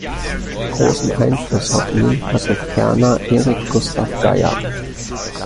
Großen Einfluss auf ihn hatte ferner Erik Gustaf Geijer.